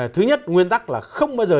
thứ nhất nguyên tắc là không bao giờ